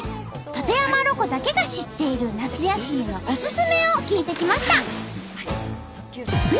館山ロコだけが知っている夏休みのおすすめを聞いてきました！